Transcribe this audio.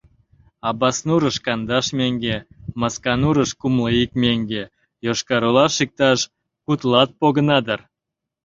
Абаснурыш кандаш меҥге, Масканурыш — кумло ик меҥге, Йошкар-Олаш иктаж кудлат погына дыр.